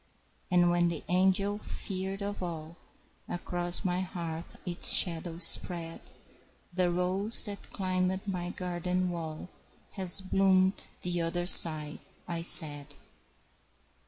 "And when the angel feared of all Across my hearth its shadow spread, The rose that climbed my garden wall Has bloomed the other side," I said.